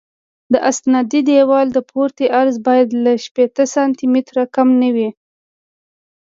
د استنادي دیوال پورتنی عرض باید له شپېته سانتي مترو کم نه وي